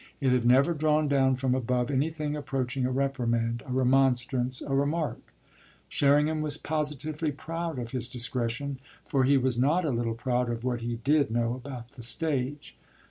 It had never drawn down from above anything approaching a reprimand, a remonstrance, a remark. Sherringham was positively proud of his discretion, for he was not a little proud of what he did know about the stage.